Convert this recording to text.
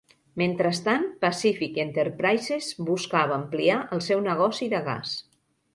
Mentrestant, Pacific Enterprises buscava ampliar el seu negoci de gas.